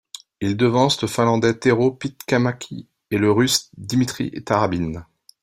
Il devance le Finlandais Tero Pitkämäki et le Russe Dmitriy Tarabin.